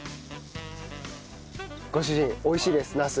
ご主人美味しいですナス。